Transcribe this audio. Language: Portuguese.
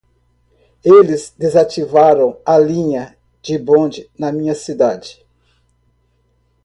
Eles desativaram a linha de bonde na minha cidade.